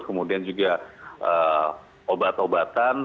kemudian juga obat obatan